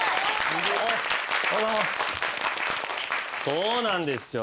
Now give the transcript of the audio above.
そうなんですよ。